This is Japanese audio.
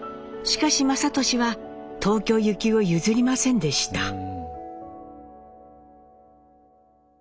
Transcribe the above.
しかし雅俊は東京行きを譲りませんでした。